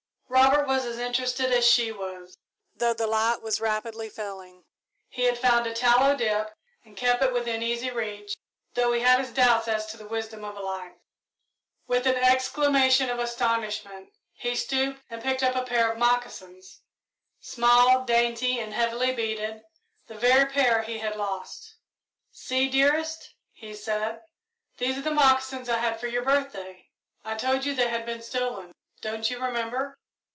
Robert was as interested as she was, though the light was rapidly failing. He had found a tallow dip and kept it within easy reach, though he had his doubts as to the wisdom of a light. With an exclamation of astonishment, he stooped and picked up a pair of moccasins small, dainty, and heavily beaded the very pair he had lost. "See, dearest," he said, "these are the moccasins I had for your birthday. I told you they had been stolen, don't you remember?"